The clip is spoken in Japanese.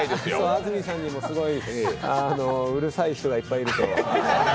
安住さんにもすごいうるさい人がいっぱいいると。